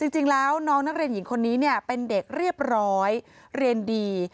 จริงแล้วน้องนักเรียนหญิงคนนี้เป็นเด็กเรียบร้อยเรียนดี